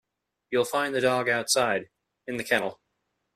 You'll find the dog outside, in the kennel